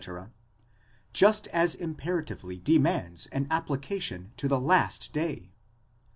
just as imperatively demands an application to the last day.